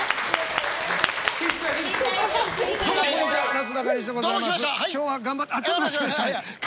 なすなかにしでございます。